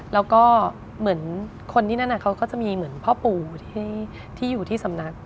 แล้วก็เหมือนคนที่นั่นเขาก็จะมีเหมือนพ่อปู่ที่อยู่ที่สำนัก